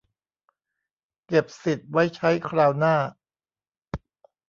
เก็บสิทธิ์ไว้ใช้คราวหน้า